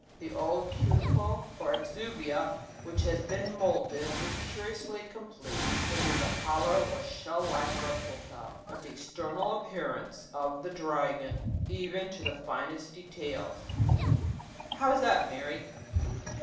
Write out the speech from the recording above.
The old cuticle, or exuvia, which has been moulted, is curiously complete, and is a hollow or shell like replica of the external appearance of the dragon even to the finest details. How is that, Mary?"